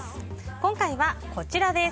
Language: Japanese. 今回はこちらです。